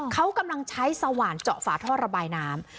เขากำลังใช้สว่านเจาะฝาท่อระบายน้ำ